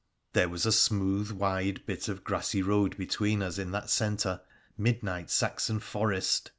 There was a smooth, wide bit of grassy road between us in that centre, midnight Saxon forest.